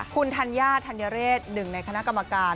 คุณธัญญาธัญเรศหนึ่งในคณะกรรมการ